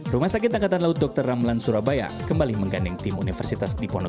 rumah sakit angkatan laut dr ramlan surabaya kembali mengganding tim universitas dipono